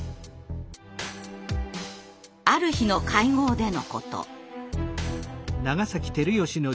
ある日の会合でのこと。